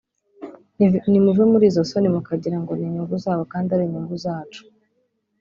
nimuve muri izo soni mukagira ngo ni inyungu zabo kandi ari inyungu zacu